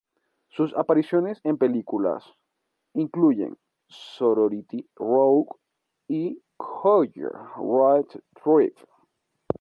Sus apariciones en películas incluyen "Sorority Row" y "College Road Trip".